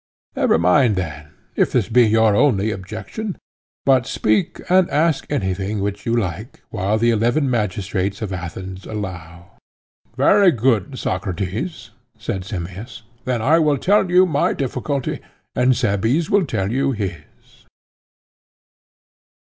Never mind then, if this be your only objection, but speak and ask anything which you like, while the eleven magistrates of Athens allow. Very good, Socrates, said Simmias; then I will tell you my difficulty, and Cebes will tell you his.